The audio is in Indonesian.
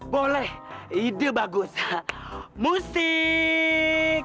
boleh ide bagus musik